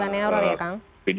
cailan error ya kang